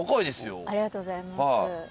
ありがとうございます。